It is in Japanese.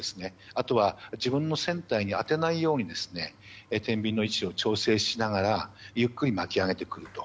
あとは自分を船体に当てないように天秤の位置を調整しながらゆっくり巻き上げてくると。